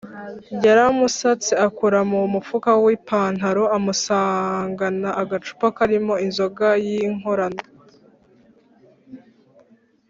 yaramusatse akora mu mufuka w’ipantaro amusangana agacupa karimo inzoga y'inkorano.